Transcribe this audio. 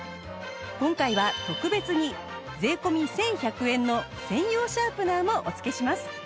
今回は特別に税込１１００円の専用シャープナーもお付けします